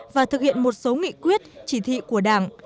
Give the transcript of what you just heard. và thực hiện một số nghị quyết chỉ thị của đảng